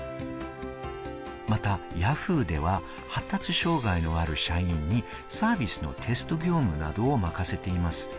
またＹａｈｏｏ！では、発達障害のある社員にサービスのテスト業務などを任せています。